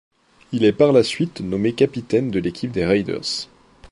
Il est par la suite nommé capitaine de l'équipe des Raiders.